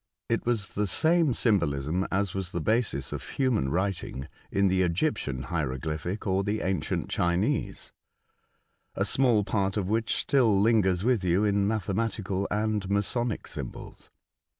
It was the same symbolism as was the basis of human writing in the Egyptian hieroglyphic or the ancient Chinese, a small part of which still lingers with you in mathe matical and masonic symbols.